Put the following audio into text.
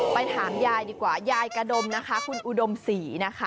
ไปถามยายดีกว่ายายกระดมนะคะคุณอุดมศรีนะคะ